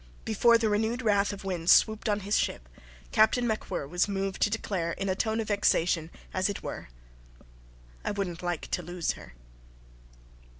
Before the renewed wrath of winds swooped on his ship, Captain MacWhirr was moved to declare, in a tone of vexation, as it were: "I wouldn't like to lose her."